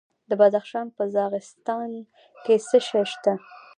د بدخشان په راغستان کې څه شی شته؟